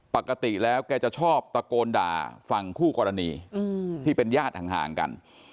ปกติแล้วแกจะชอบตะโกนด่าฝั่งคู่กรณีที่เป็นญาติห่างกัน